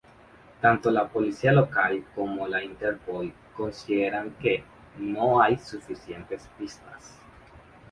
Tanto la policía local como la Interpol consideran que no hay pistas suficientes.